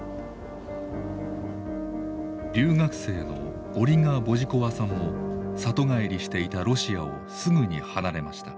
留学生のオリガ・ボジコワさんも里帰りしていたロシアをすぐに離れました。